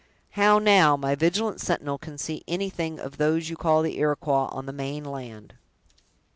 How, now, my vigilant sentinel, can see anything of those you call the Iroquois, on the main land!"